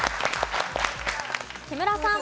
木村さん。